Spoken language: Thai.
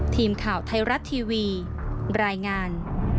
ทีมข่าวไทยรัฐทีวีรายงาน